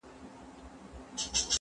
زه سبزېجات تيار کړي دي.